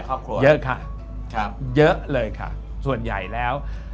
เยอะเลยส่วนใหญ่แล้ว